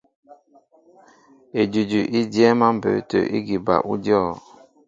Edʉdʉ í dyɛ́ɛ́m á mbə̌ tə̂ ígi bal ú dyɔ̂.